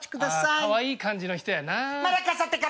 かわいい感じの人やな。